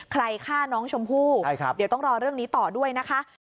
ใครฆ่าน้องชมพู่เดี๋ยวต้องรอเรื่องนี้ต่อด้วยนะคะ